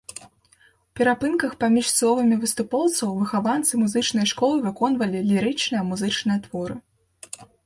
У перапынках паміж словамі выступоўцаў выхаванцы музычнай школы выконвалі лірычныя музычныя творы.